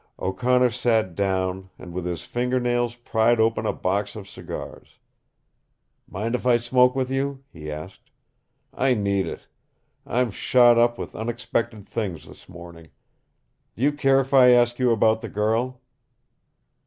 O'Connor sat down and with his finger nails pried open the box of cigars. "Mind if I smoke with you?" he asked. "I need it. I'm shot up with unexpected things this morning. Do you care if I ask you about the girl?"